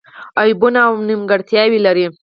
عیبونه او نیمګړتیاوې لري.